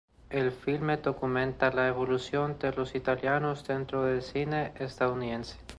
El filme documenta la evolución de los italianos dentro del cine estadounidense.